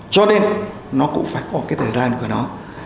cho nên nó cũng phải có cái thời gian của nó